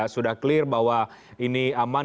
sudah clear bahwa ini aman